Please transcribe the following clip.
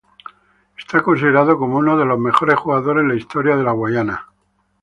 Es considerado como uno de los mejores jugadores en la historia de Guyana.